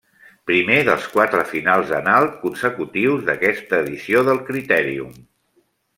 Primer dels quatre finals en alt consecutius d'aquesta edició del Critèrium.